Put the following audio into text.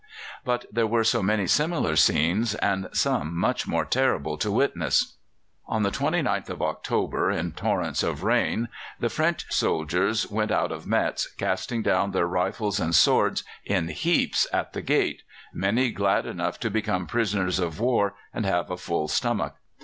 But there were so many similar scenes, and some much more terrible to witness. On the 29th of October, in torrents of rain, the French soldiers went out of Metz, casting down their rifles and swords in heaps at the gate, many glad enough to become prisoners of war and have a full stomach.